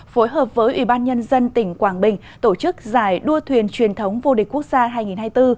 phối hợp với ủy ban nhân dân tỉnh quảng bình tổ chức giải đua thuyền truyền thống vô địch quốc gia hai nghìn hai mươi bốn